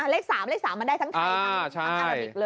เลข๓เลข๓มันมาได้ทั้งทั้งทางอ๋อใช่